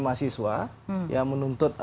mahasiswa yang menuntut